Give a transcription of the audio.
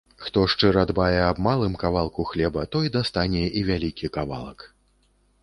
Хто шчыра дбае аб малым кавалку хлеба, той дастане і вялікі кавалак.